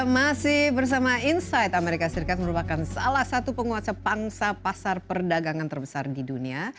masih bersama insight amerika serikat merupakan salah satu penguasa pangsa pasar perdagangan terbesar di dunia